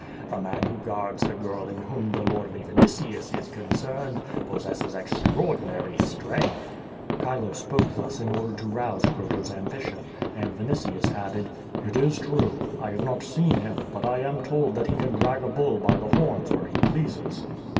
The man who guards the girl in whom the lordly Vinitius is concerned, possesses extraordin ary strength." Chilo spoke thus in order to rouse Croto's ambition. And Vinitius added: "It is true. I have not seen him, but I am told that he can drag a bull by the horns where he pleases.''